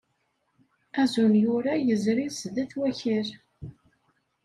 Azunyur-a yezri sdat Wakal.